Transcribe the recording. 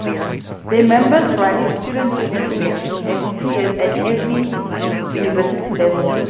Their members run in students union elections every two years at every university levels.